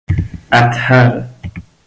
اَطهر